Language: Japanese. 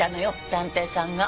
探偵さんが。